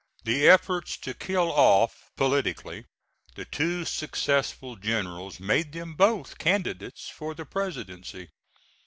The efforts to kill off politically the two successful generals, made them both candidates for the Presidency.